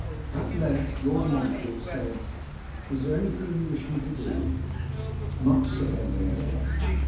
At length Lord Montfort said, 'Is there anything you wish me to do?' 'Much,' said Henrietta.